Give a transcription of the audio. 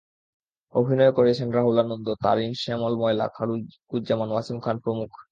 অভিনয় করেছেন রাহুল আনন্দ, তারিন, শ্যামল মওলা, খালিকুজ্জামান, ওয়াসিম খান প্রমুখ।